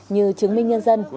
như chứng minh nhân dân